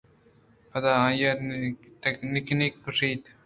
پدا آئی ءَ نِکینک کُشت